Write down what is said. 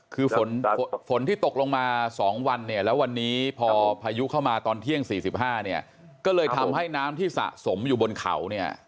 คือฝนที่ตกลงมา๒วันแล้ววันนี้พอพายุเข้ามาตอนเที่ยง๔๕ก็เลยทำให้น้ำที่สะสมอยู่บนเขา